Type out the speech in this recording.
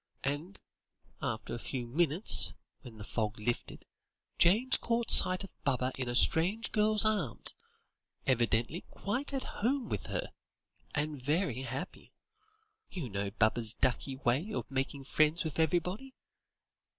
And, after a few minutes, when the fog lifted, James caught sight of Baba in a strange girl's arms, evidently quite at home with her, and very happy. You know Baba's ducky way of making friends with everybody.